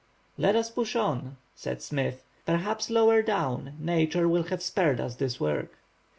"Let us push on," said Smith. "Perhaps lower down, nature will have spared us this work."